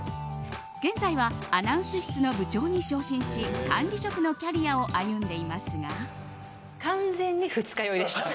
現在はアナウンス室の部長に昇進し管理職のキャリアを歩んでいますが。